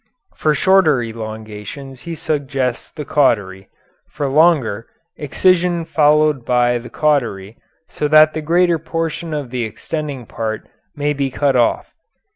For shorter elongations he suggests the cautery; for longer, excision followed by the cautery so that the greater portion of the extending part may be cut off.